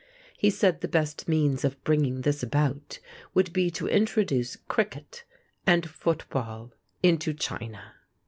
He said the best means of bringing this about would be to introduce cricket and football into China.